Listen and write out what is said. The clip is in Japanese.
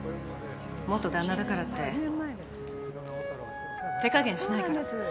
元旦那だからって手加減しないから。